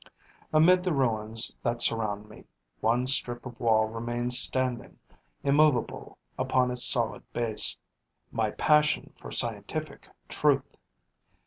Amid the ruins that surround me, one strip of wall remains standing, immovable upon its solid base: my passion for scientific truth.